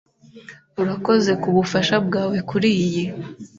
Urakoze kubufasha bwawe kuriyi.